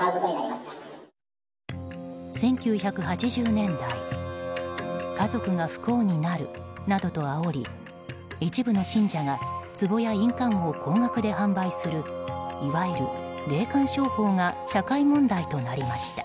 １９８０年代家族が不幸になるなどとあおり一部の信者がつぼや印鑑を高額で販売するいわゆる霊感商法が社会問題となりました。